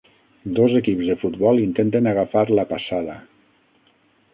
Dos equips de futbol intenten agafar la passada